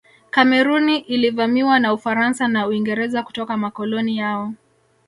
Kameruni ilivamiwa na Ufaransa na Uingereza kutoka makoloni yao